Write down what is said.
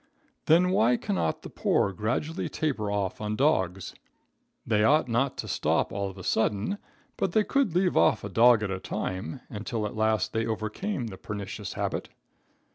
Then why cannot the poor gradually taper off on dogs? They ought not to stop all of a sudden, but they could leave off a dog at a time until at last they overcame the pernicious habit.